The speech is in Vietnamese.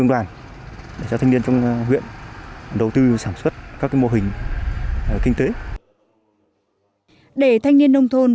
để cho thanh niên trong huyện đầu tư sản xuất các mô hình kinh tế để thanh niên nông thôn